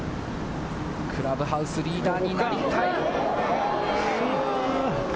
クラブハウスリーダーになりたい。